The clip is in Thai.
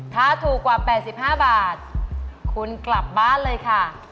ถ้าถูกกว่า๘๕บาทคุณกลับบ้านเลยค่ะ